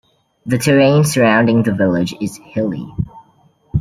The terrain surrounding the village is hilly.